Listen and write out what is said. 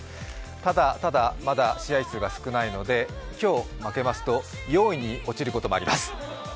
ただ、ただまだ試合数が少ないので今日負けますと４位に落ちることもあります。